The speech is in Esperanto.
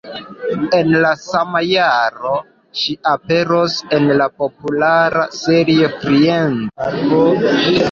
En la sama jaro, ŝi aperos en la populara serio Friends.